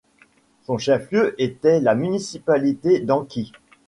Son chef-lieu était la municipalité d'Amqui.